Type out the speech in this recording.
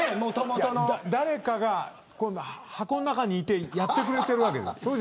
誰かが箱の中にいてやってくれてるわけですか。